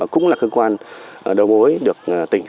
cũng là cơ quan đầu mối được tỉnh